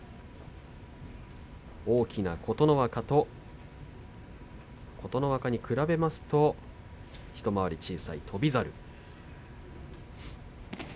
大きな琴ノ若と琴ノ若に比べますと一回り小さい翔猿。